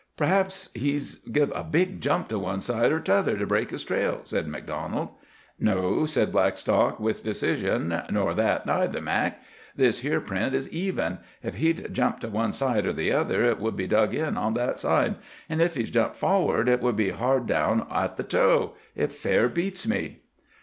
"P'raps he's give a big jump to one side or t'other, to break his trail," said MacDonald. "No," said Blackstock with decision, "nor that neither, Mac. This here print is even. Ef he'd jumped to one side or the other, it would be dug in on that side, and ef he'd jumped forrard, it would be hard down at the toe. It fair beats me!"